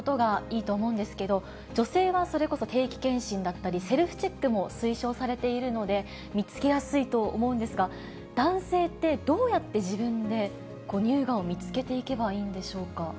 やっぱり病気って、少しでも早く見つけて、治療することがいいと思うんですけど、女性はそれこそ定期検診だったりセルフチェックも推奨されているので、見つけやすいと思うんですが、男性ってどうやって自分で乳がんを見つけていけばいいんでしょうか。